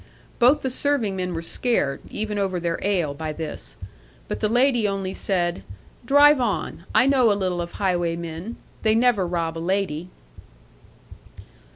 Both the serving men were scared, even over their ale, by this. But the lady only said, "Drive on; I know a little of highwaymen: they never rob a lady."